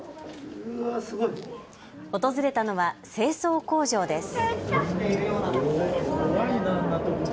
訪れたのは清掃工場です。